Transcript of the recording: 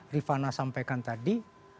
rifana sampaikan tadi